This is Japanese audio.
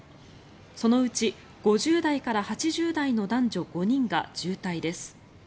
そのうち５０代から８０代の男女５人が重体です。